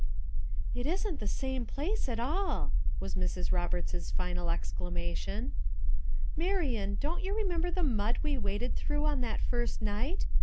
"It isn't the same place at all!" was Mrs. Roberts's final exclamation. "Marian, don't you remember the mud we waded through on that first night?